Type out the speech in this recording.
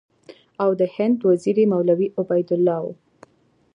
او د هند وزیر یې مولوي عبیدالله و.